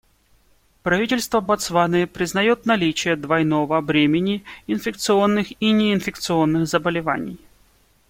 Правительство Ботсваны признает наличие двойного бремени инфекционных и неинфекционных заболеваний.